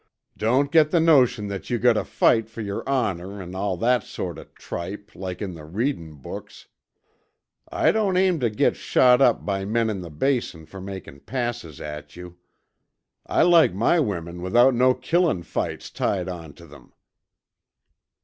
"Don't get the notion that you gotta fight fer yer honor an' all that sort o' tripe like in the readin' books. I don't aim tuh git shot up by men in the Basin fer makin' passes at you. I like my women without no killin' fights tied ontuh them."